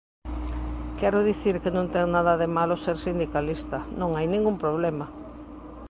Quero dicir que non ten nada de malo ser sindicalista, ¡non hai ningún problema!